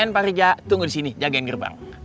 and pak rija tunggu disini jagain gerbang